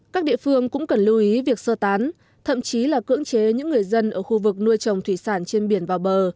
các địa phương cũng cần lưu ý việc sơ tán thậm chí là cưỡng chế những người dân ở khu vực nuôi trồng thủy sản trên biển vào bờ